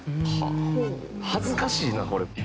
恥ずかしいなこれ。